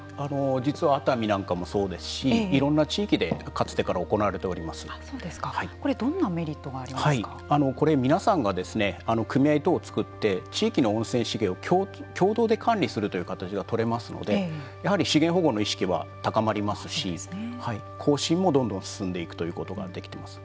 実は、熱海なんかもそうですしいろんな地域で、かつてからこれ、どんなこれ、皆さんが組合等を作って地域の温泉資源を共同で管理するという形が取れますのでやはり資源保護の意識は高まりますし更新もどんどん進んでいくということができています。